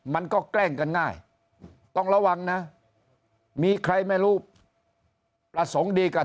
แกล้งกันง่ายต้องระวังนะมีใครไม่รู้ประสงค์ดีกับ